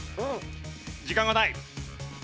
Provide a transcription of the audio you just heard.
時間がない。